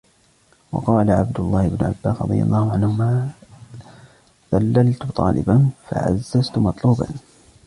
وَقَالَ عَبْدُ اللَّهِ بْنُ عَبَّاسٍ رَضِيَ اللَّهُ عَنْهُمَا ذَلَلْت طَالِبًا فَعَزَزْت مَطْلُوبًا